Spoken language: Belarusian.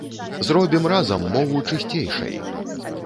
Зробім разам мову чысцейшай!